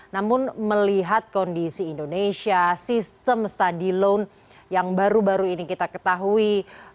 namun melihat kondisi indonesia sistem stadion yang baru baru ini kita ketahui